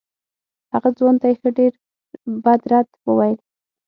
هغه ځوان ته یې ښه ډېر بد رد وویل.